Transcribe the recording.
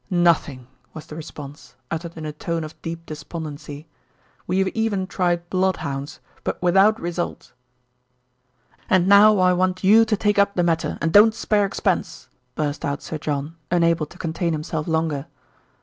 "Nothing," was the response, uttered in a tone of deep despondency. "We have even tried bloodhounds; but without result." "And now I want you to take up the matter, and don't spare expense," burst out Sir John, unable to contain himself longer.